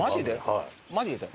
マジで？